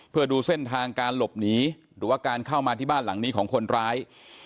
เพื่อดูเส้นทางการหลบหนีหรือว่าการเข้ามาที่บ้านหลังนี้ของคนร้าย